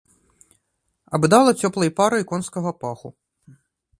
Абдала цёплай парай конскага паху.